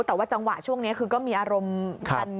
แต่ว่าจังหวะช่วงนี้คือก็มีอารมณ์กัน